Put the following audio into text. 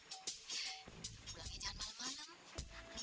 eh fatima baru pulang